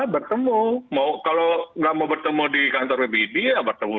bertemu mau kalau nggak mau bertemu di kantor pbb ya bertemu